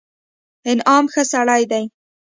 انعام ښه سړى دئ.